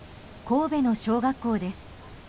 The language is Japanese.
神戸の小学校です。